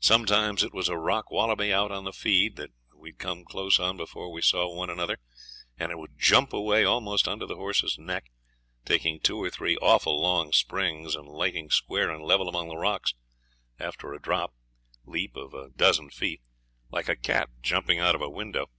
Sometimes it was a rock wallaby out on the feed that we'd come close on before we saw one another, and it would jump away almost under the horse's neck, taking two or three awful long springs and lighting square and level among the rocks after a drop leap of a dozen feet, like a cat jumping out of a window.